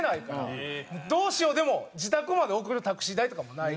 どうしようでも自宅まで送るタクシー代とかもない。